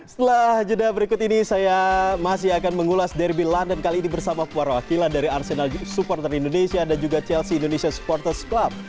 setelah jeda berikut ini saya masih akan mengulas derby london kali ini bersama para wakilan dari arsenal supporter indonesia dan juga chelsea indonesia supporters club